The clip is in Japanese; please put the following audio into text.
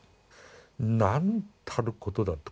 なんたることだと。